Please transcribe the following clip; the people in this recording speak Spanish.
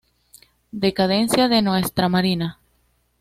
Decadencia de nuestra marina.